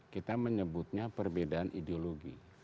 kita menyebutnya perbedaan ideologi